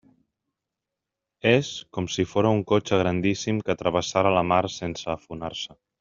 És com si fóra un cotxe grandíssim que travessara la mar sense afonar-se.